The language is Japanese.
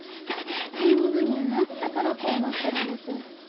天狗になったからこうなってるんです。